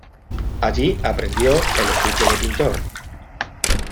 Allí aprendió el oficio de pintor.